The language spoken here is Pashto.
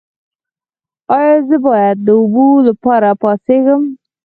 ایا زه باید د اوبو لپاره پاڅیږم؟